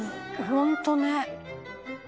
「ホントね」